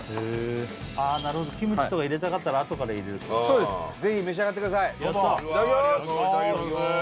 なるほどキムチとか入れたかったらあとから入れるぜひ召し上がってください・いただきます！